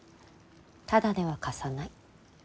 タダでは貸さない。